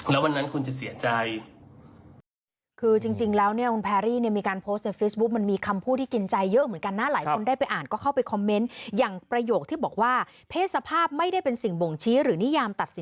แล้ววันนั้นคุณจะเสียใจ